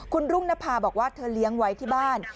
คุณรุ่งนภาบอกว่าเธอเลี้ยงไว้ที่บ้าน